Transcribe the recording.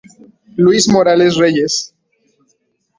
Luis Morales Reyes.